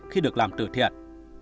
khi được làm từ thiện